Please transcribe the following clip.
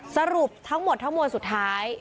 สรุปทั้งหมดทั้งมวลสุดท้าย